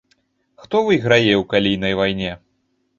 Хто выйграе ў калійнай вайне?